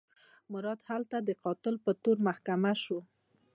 مراد هلته د قتل په تور محاکمه شو.